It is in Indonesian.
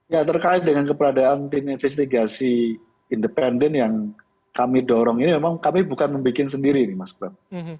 ya terkait dengan keberadaan tim investigasi independen yang kami dorong ini memang kami bukan membuat sendiri nih mas bram